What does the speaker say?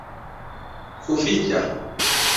sufiĉa